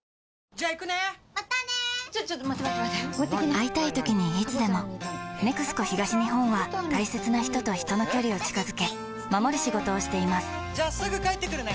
会いたいときにいつでも「ＮＥＸＣＯ東日本」は大切な人と人の距離を近づけ守る仕事をしていますじゃあすぐ帰ってくるね！